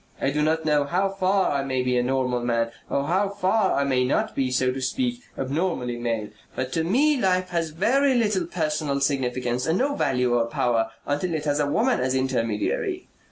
I do not know how far I may be a normal man or how far I may not be, so to speak, abnormally male, but to me life has very little personal significance and no value or power until it has a woman as intermediary.